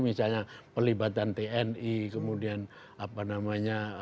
misalnya pelibatan tni kemudian apa namanya